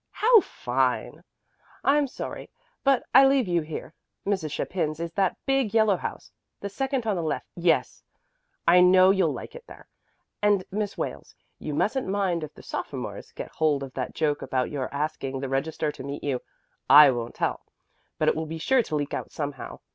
How fine! I'm sorry, but I leave you here. Mrs. Chapin's is that big yellow house, the second on the left side yes. I know you'll like it there. And Miss Wales, you mustn't mind if the sophomores get hold of that joke about your asking the registrar to meet you. I won't tell, but it will be sure to leak out somehow.